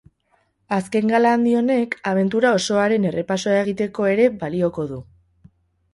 Azken gala handi honek abentura osoaren errepasoa egiteko ere balioko du.